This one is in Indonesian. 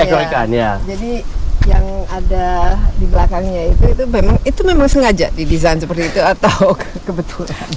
jadi yang ada di belakangnya itu memang sengaja di desain seperti itu atau kebetulan